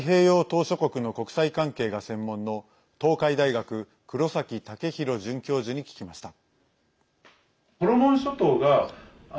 島しょ国の国際関係が専門の東海大学、黒崎岳大准教授に聞きました。